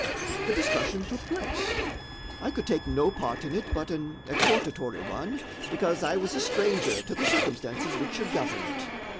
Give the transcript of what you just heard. The discussion took place. I could take no part in it but an exhortatory one, because I was a stranger to the circumstances which should govern it.